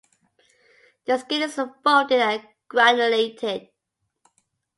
The skin is folded and granulated.